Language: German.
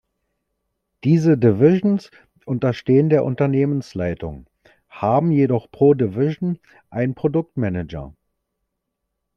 Diese Divisions unterstehen der Unternehmensleitung, haben jedoch pro Division einen Produkt-Manager.